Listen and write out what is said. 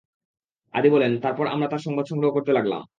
আদী বলেন, তারপর আমরা তার সংবাদ সংগ্রহ করতে লাগলাম।